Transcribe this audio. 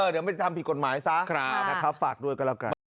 เดี๋ยวไม่ทำผิดกฎหมายซะฝากด้วยกันแล้วกัน